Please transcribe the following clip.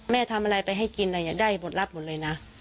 แม่ทำอะไรไปให้กินอะไรอย่างนี้ได้หมดลับหมดเลยนะ